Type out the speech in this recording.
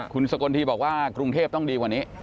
คุณสกลทีบอกว่ากรุงเทพต้องดีกว่านี้